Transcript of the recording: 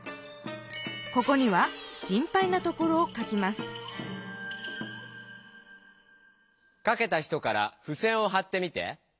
ここには「心配なところ」を書きます書けた人からふせんをはってみて。